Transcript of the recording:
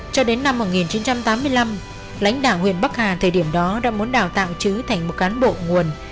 cho đến năm một nghìn chín trăm tám mươi năm lãnh đạo huyện bắc hà thời điểm đó đã muốn đào tạo chứ thành một cán bộ nguồn